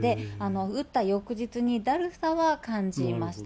打った翌日にだるさは感じました。